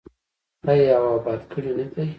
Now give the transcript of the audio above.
آیا او اباد کړی نه دی؟